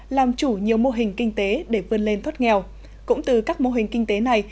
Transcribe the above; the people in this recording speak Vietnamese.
làm chủ nhiều mô hình kinh tế để vươn lên thoát nghèo cũng từ các mô hình kinh tế này